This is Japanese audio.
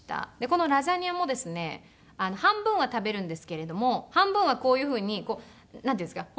このラザニアもですね半分は食べるんですけれども半分はこういうふうになんていうんですか。